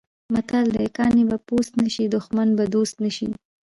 متل دی: کاڼی به پوست نه شي، دښمن به دوست نه شي.